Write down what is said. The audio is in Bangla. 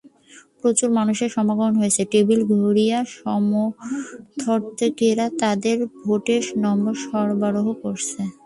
প্রচুর মানুষের সমাগম হয়েছে, টেবিল ঘড়ির সমর্থকেরা তাদের ভোটার নম্বর সরবরাহ করছে।